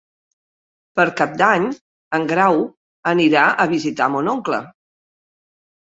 Per Cap d'Any en Grau anirà a visitar mon oncle.